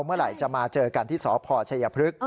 เมื่อไหร่จะมาเจอกันที่สพชัยพฤกษ